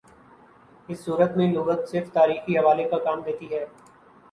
اس صورت میں لغت صرف تاریخی حوالے کا کام دیتی ہے۔